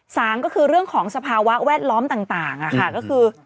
สามก็คือเรื่องของสภาวะแวดล้อมต่างค่ะก็คือ